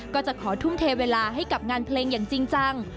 ก็จะขอทุ่มเทเวลาให้กับงานเพลงอย่างจริงจัง